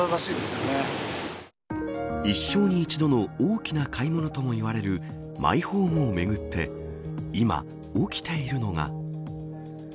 一生に一度の大きな買い物ともいわれるマイホームをめぐって今、起きているのが。